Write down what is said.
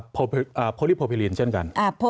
โพลิโพพิลินเช่นกัน